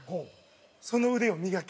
「その腕を磨け